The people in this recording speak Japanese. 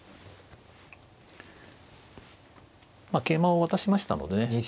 桂馬を渡しましたのでね。